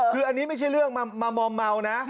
คืออันนี้ไม่ใช่เรื่องมามอมเมานะ